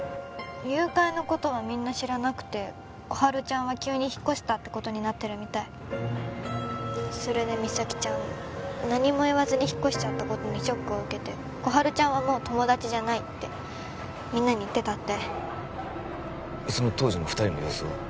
誘拐のことはみんな知らなくて心春ちゃんは急に引っ越したってことになってるみたいそれで実咲ちゃん何も言わずに引っ越しちゃったことにショックを受けて心春ちゃんはもう友達じゃないってみんなに言ってたってその当時の二人の様子は？